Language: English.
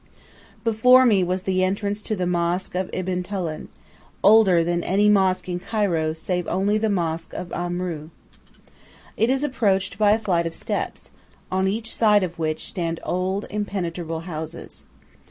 Before me was the entrance to the mosque of Ibn Tulun, older than any mosque in Cairo save only the mosque of Amru. It is approached by a flight of steps, on each side of which stand old, impenetrable houses.